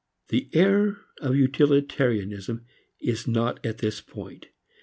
The error of utilitarianism is not at this point.